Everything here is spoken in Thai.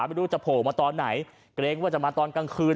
ไม่รู้จะโผล่มาตอนไหนเกรงว่าจะมาตอนกลางคืน